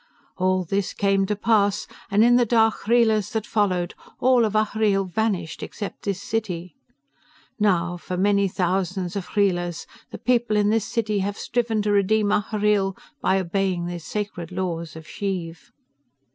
"All this came to pass, and in the dark Khreelas that followed, all of Ahhreel vanished except this city. Now, for many, many thousands of Khreelas, the people of this city have striven to redeem Ahhreel by obeying the sacred laws of Xheev.